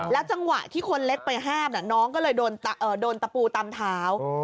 จังหวะที่คนเล็กไปห้ามน้องก็เลยโดนตะปูตามเท้า